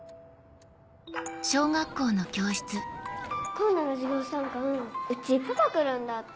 今度の授業参観うちパパ来るんだって。